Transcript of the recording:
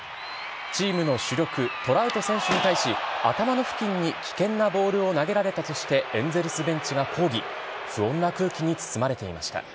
チームの主力、トラウト選手に対し、頭の付近に危険なボールを投げられたとして、エンゼルスベンチが抗議、不穏な空気に包まれていました。